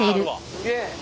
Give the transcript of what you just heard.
すげえ。